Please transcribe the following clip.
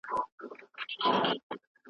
د كندهار شنو باغونو او مېله ځايونو